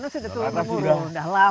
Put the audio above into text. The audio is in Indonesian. sudah lama sekali